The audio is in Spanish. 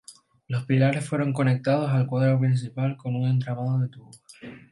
Los pilares fueron conectados al cuadro principal con un entramado de tubos.